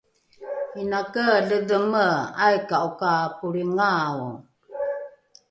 inake ledheme aika’o ka polringao?